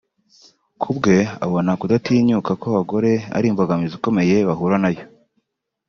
Kubwe abona kudatinyuka kw’abagore ariyo mbogamizi ikomeye bahura nayo